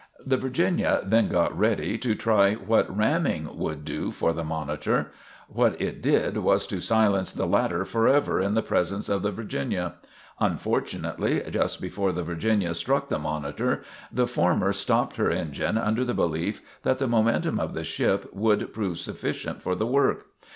The "Virginia" then got ready to try what ramming would do for the "Monitor." What it did was to silence the latter forever in the presence of the "Virginia." Unfortunately, just before the "Virginia" struck the "Monitor," the former stopped her engine under the belief that the momentum of the ship would prove sufficient for the work.